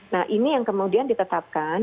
nah ini yang kemudian ditetapkan